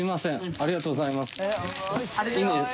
ありがとうございます。